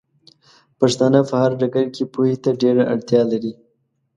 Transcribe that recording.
پښتانۀ په هر ډګر کې پوهې ته ډېره اړتيا لري